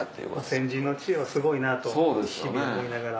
先人の知恵はすごいなと日々思いながら。